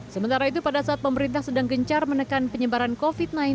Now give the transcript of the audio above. sementara itu pada saat pemerintah sedang gencar menekan penyebaran covid sembilan belas